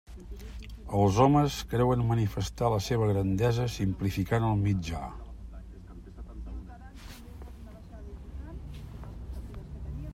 Els homes creuen manifestar la seva grandesa simplificant el mitjà.